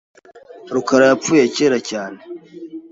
rukara yapfuye kera cyane. .